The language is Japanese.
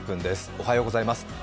おはようございます。